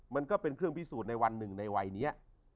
มันก็เป็นเครื่องพิสูจน์ในวันหนึ่งในวัยนี้